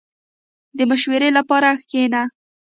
• د مشورې لپاره کښېنه.